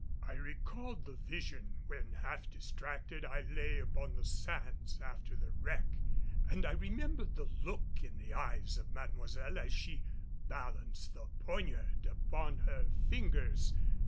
I recalled the vision when half distracted I lay upon the sands after the wreck, and I remembered the look in the eyes of Mademoiselle as she balanced the poniard upon her fingers.